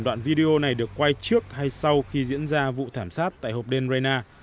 đoạn video này được quay trước hay sau khi diễn ra vụ thảm sát tại hột đêm reyna